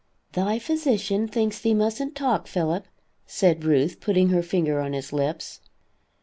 "Thy physician thinks thee mustn't talk, Philip," said Ruth putting her finger on his lips.